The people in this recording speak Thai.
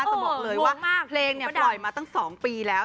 จะบอกเลยว่าเพลงปล่อยมาตั้ง๒ปีแล้ว